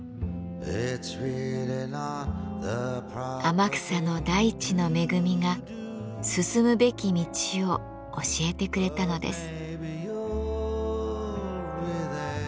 天草の大地の恵みが進むべき道を教えてくれたのです。